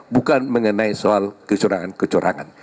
bukan mengenai soal kecurangan kecurangan